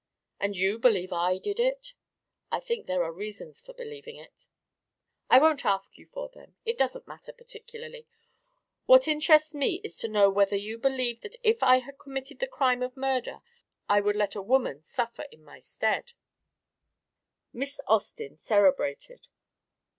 "And you believe I did it?" "I think there are reasons for believing it." "I won't ask you for them. It doesn't matter, particularly. What interests me is to know whether you believe that if I had committed the crime of murder I would let a woman suffer in my stead." Miss Austin cerebrated.